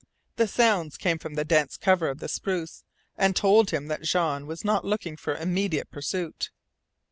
The sounds came from the dense cover of the spruce, and told him that Jean was not looking for immediate pursuit.